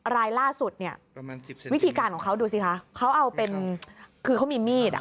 รายล่าสุดเนี่ยวิธีการของเขาดูสิคะเขาเอาเป็นคือเขามีมีดอ่ะ